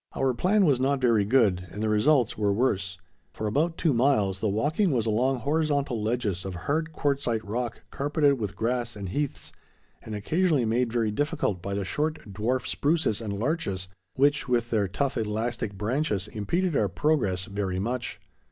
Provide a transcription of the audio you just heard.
Our plan was not very good and the results were worse. For about two miles, the walking was along horizontal ledges of hard quartzite rock carpeted with grass and heaths, and occasionally made very difficult by the short dwarf spruces and larches which, with their tough elastic branches, impeded our progress very much.